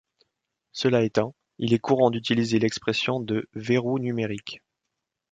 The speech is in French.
Cela étant, il est courant d’utiliser l’expression de « verrou numérique ».